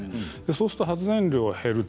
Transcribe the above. そうすると発電量が減る。